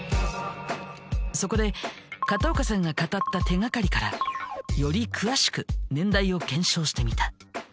そこで片岡さんが語った手がかりからより詳しく年代を検証してみた。